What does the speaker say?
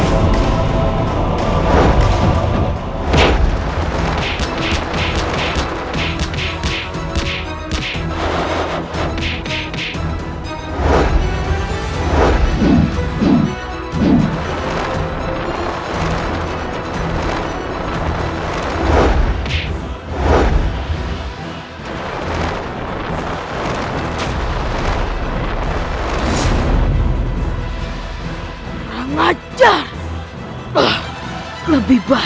lebih baik aku menunda pertarungan ini